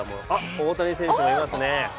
大谷選手もいますね。